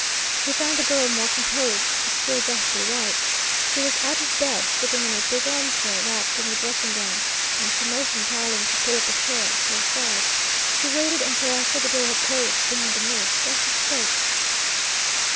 He found the girl more composed but still deathly white. She was out of bed, sitting in a big arm chair, wrapped in a dressing gown, and she motioned Tarling to pull up a chair to her side. She waited until after the door had closed behind the nurse, then she spoke.